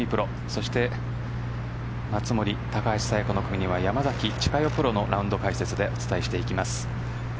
そして松森、高橋彩華の組には山崎千佳代プロのラウンド解説でお伝えしていきます。